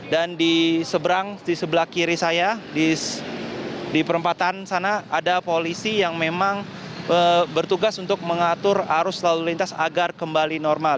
dan di seberang di sebelah kiri saya di perpatan sana ada polisi yang memang bertugas untuk mengatur arus lalu lintas agar kembali normal